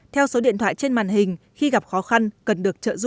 theo số điện thoại trên màn hình khi gặp khó khăn cần được trợ giúp